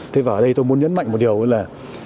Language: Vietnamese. thế và ở đây tôi muốn nhấn mạnh một điều là